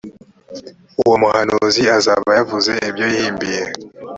uwo muhanuzi azaba yavuze ibyo yihimbiye.